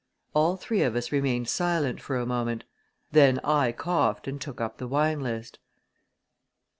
All three of us remained silent for a moment. Then I coughed and took up the wine list.